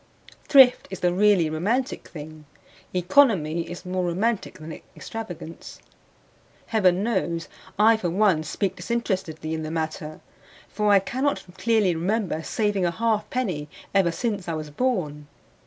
Thrift is the really romantic thing; economy is more romantic than extravagance. Heaven knows I for one speak disinterestedly in the matter; for I cannot clearly remember saving a half penny ever since I was born.